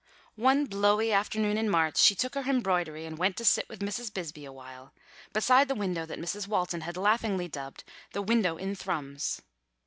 One blowy afternoon in March she took her embroidery and went to sit with Mrs. Bisbee awhile, beside the window that Mrs. Walton had laughingly dubbed the "window in Thrums."